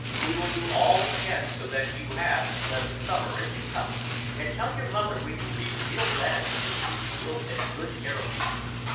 We will do all we can so that you have a pleasant summer if you come and tell your mother we will be real glad to see you and will take good care of you.